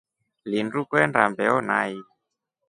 Lindu kwenda mbeo nai.